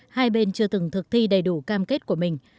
hai bên chưa từng thực thi đầy đủ cam kết của mình